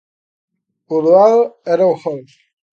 O doado era o gol.